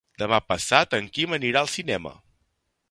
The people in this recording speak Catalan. Demà passat en Quim anirà al cinema.